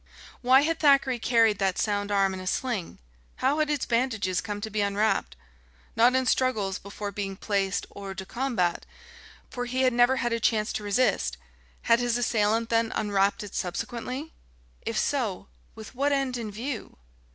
Why had Thackeray carried that sound arm in a sling? How had its bandages come to be unwrapped? Not in struggles before being placed hors de combat, for he had never had a chance to resist. Had his assailant, then, unwrapped it subsequently? If so, with what end in view?